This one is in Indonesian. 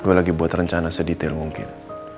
gue lagi buat rencana sedetail mungkin